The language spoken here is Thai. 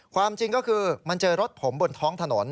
ความจริงก็คือมันเจอรถผมบนท้องถนน